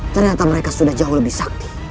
ternyata mereka sudah jauh lebih sakti